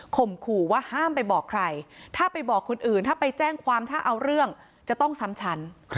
ขู่ว่าห้ามไปบอกใครถ้าไปบอกคนอื่นถ้าไปแจ้งความถ้าเอาเรื่องจะต้องซ้ำชั้น